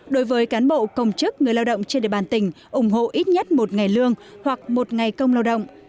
đối với cán bộ công chức người lao động trên địa bàn tỉnh ủng hộ ít nhất một ngày lương hoặc một ngày công lao động